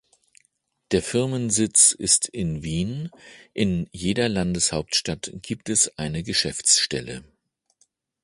Der Firmensitz ist in Wien, in jeder Landeshauptstadt gibt es eine Geschäftsstelle.